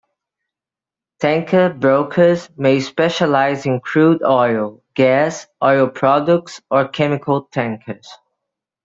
Tanker brokers may specialize in crude oil, gas, oil products or chemical tankers.